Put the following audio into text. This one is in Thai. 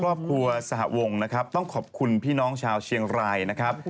ครอบครัวสหวงนะครับต้องขอบคุณพี่น้องชาวเชียงรายนะครับ